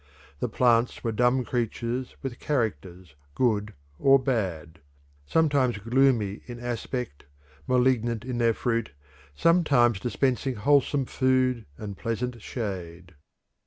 The plants were dumb creatures with characters good or bad, sometimes gloomy in aspect, malignant in their fruit, sometimes dispensing wholesome food and pleasant shade.